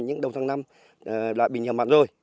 nhưng đầu tháng năm là bị nhiễm mặn rồi